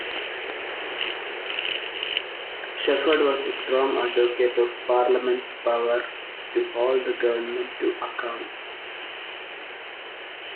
Shepherd was a strong advocate of Parliament's power to hold the government to account.